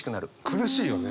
苦しいよね。